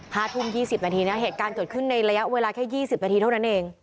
ห้าทุ่มยี่สิบนาทีนะเหตุการณ์เกิดขึ้นในระยะเวลาแค่ยี่สิบนาทีเท่านั้นเอง